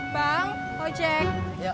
bang mau cek